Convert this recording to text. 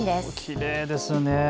きれいですね。